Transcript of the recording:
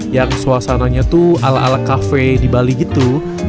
yang suasananya tuh ala ala kafe di bali gitu